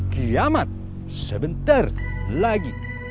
diamat sebentar lagi